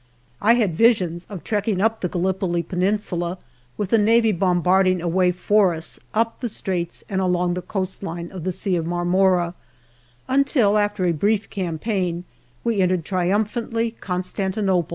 I had visions of trekking up the Galli poli Peninsula with the Navy bombarding a way for us up the Straits and along the coast line of the Sea of Marmora, DIARY until after a brief campaign we entered triumphantly Cqn3taW|ifex?